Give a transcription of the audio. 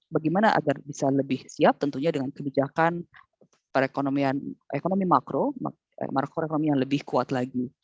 bagaimana agar bisa lebih siap tentunya dengan kebijakan ekonomi makroekonomi yang lebih kuat lagi